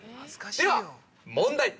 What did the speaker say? では問題。